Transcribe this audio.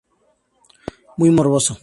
Muy morboso.